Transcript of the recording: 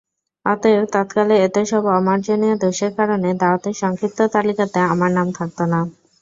অতএব তৎকালে এতসব অমার্জনীয় দোষের কারণে দাওয়াতের সংক্ষিপ্ত তালিকাতে আমার নাম থাকত না।